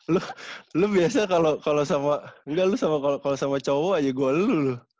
lu lu biasanya kalau kalau sama enggak lu sama kalau sama cowo aja gue luluh